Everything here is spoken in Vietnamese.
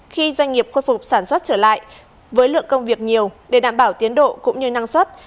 khi doanh nghiệp khôi phục sản xuất trở lại với lượng công việc nhiều để đảm bảo tiến độ cũng như năng suất